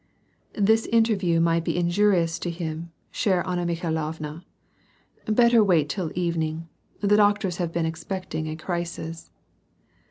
^ "This interview might be very injurious for him, chere Anna Mikhailovna ; better wait till evening ; the doctors have been expecting a crisis."